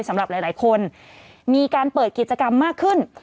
หลายคนมีการเปิดกิจกรรมมากขึ้น